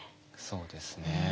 そうですね。